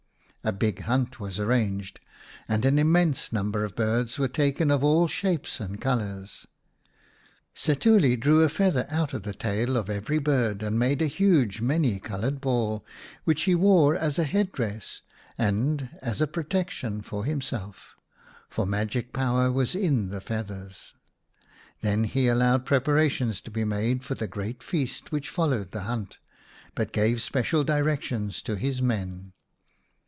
A big hunt was arranged, and an immense number of birds were taken of all shapes and colours. Setuli drew a feather out of the tail of every bird and made a huge many coloured ball, which he wore as a head dress and as a protection for himself, for magic power was in the feathers. Then he allowed preparations to be made for the great feast which followed the hunt, but gave special directions to his men.